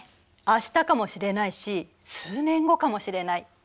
あしたかもしれないし数年後かもしれない。